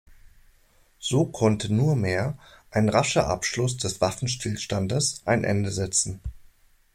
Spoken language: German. So konnte nur mehr ein rascher Abschluss des Waffenstillstandes ein Ende setzen.